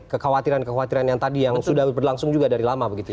kekhawatiran kekhawatiran yang tadi yang sudah berlangsung juga dari lama begitu ya